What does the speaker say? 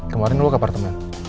kemarin lu ke apartemen